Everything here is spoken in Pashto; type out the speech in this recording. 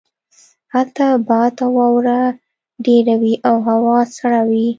هلته باد او واوره ډیره وی او هوا سړه وي